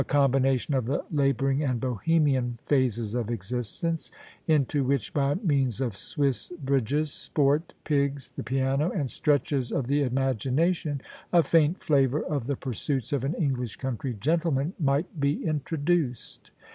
10$ combination of the labouring and Bohemian phases of exist ence, into which, by means of Swiss bridges, sport, pigs, the piano, and stretches of the imagination, a faint flavour of the pursuits of an English country gentleman might be introduced.